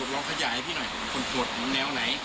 ร้องขยายให้พี่หน่อย